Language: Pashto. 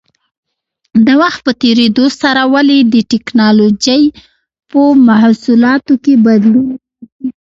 د وخت په تېرېدو سره ولې د ټېکنالوجۍ په محصولاتو کې بدلون راځي؟